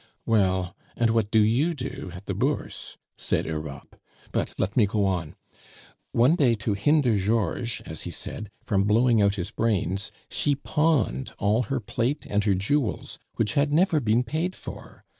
"Well and what do you do at the Bourse?" said Europe. "But let me go on. One day, to hinder Georges, as he said, from blowing out his brains, she pawned all her plate and her jewels, which had never been paid for.